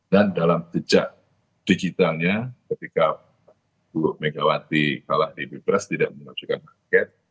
dan dalam jejak digitalnya ketika bu megawati kalah di bipres tidak menunjukkan angket